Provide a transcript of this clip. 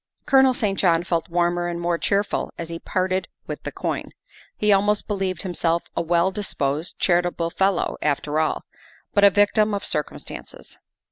Colonel St. John felt warmer and more cheerful as he parted with the coin ; he almost believed himself a well disposed, charitable fellow, after all, but a victim of circumstances.